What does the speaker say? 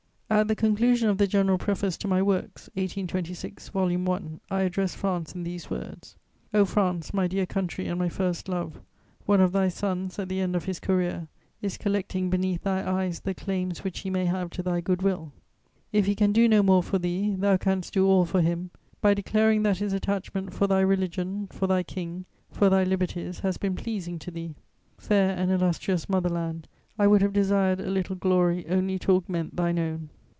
At the conclusion of the General Preface to my Works, 1826, vol. I., I address France in these words: "O France, 'my dear country and my first love,' one of thy sons, at the end of his career, is collecting beneath thy eyes the claims which he may have to thy good will. If he can do no more for thee, thou canst do all for him, by declaring that his attachment for thy religion, for thy King, for thy liberties has been pleasing to thee. Fair and illustrious mother land, I would have desired a little glory only to augment thine own."